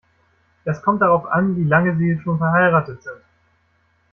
Das kommt darauf an, wie lange Sie schon verheiratet sind.